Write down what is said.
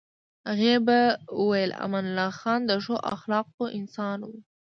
هغې به ویل امان الله خان د ښو اخلاقو انسان و.